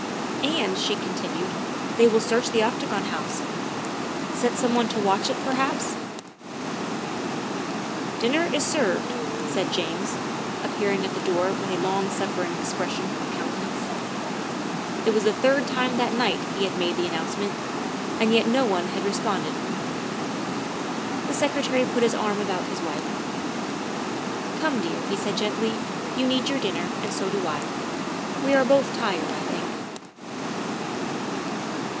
"And," she continued, " they will search the Octa gon House set some one to watch it, perhaps ?''" Dinner is served," said James, appearing at the door with a long suffering expression of countenance. It was the third time that night he had made the an nouncement, and as yet no one had responded. The Secretary put his arm about his wife. " Come, dear," he said gently, " you need your dinner and so do I. We are both tired, I think."